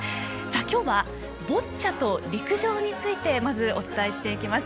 今日はボッチャと陸上についてまずお伝えしていきます。